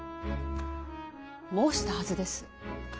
申したはずです。